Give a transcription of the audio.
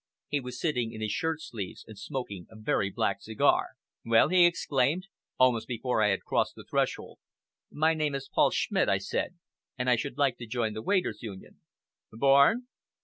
He was sitting in his shirt sleeves, and smoking a very black cigar. "Well?" he exclaimed, almost before I had crossed the threshold. "My name is Paul Schmidt," I said, "and I should like to join the Waiters' Union." "Born?"